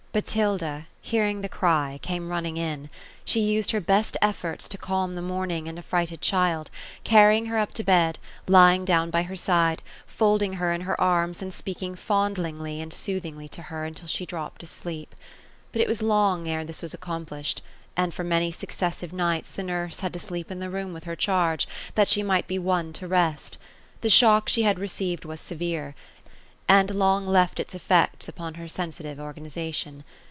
Botilda, hearing the cry, came running in. She used her best efforts to calm the mourning and affrighted child, carrying her up to bed, lying down by her side, folding her in her arms, and speaking fondlingly and soothingly to her, until she dropped asleep. But it was long ere this was accomplished ; and for many successive nights, the nurse had to aleep in the room with her charge, that she might be won to rest The shock she had received, was severe ; and long left its effects upon her sensitive organization.